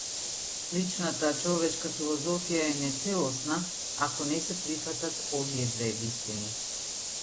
Личната човечка философија е нецелосна, ако не се прифатат овие две вистини.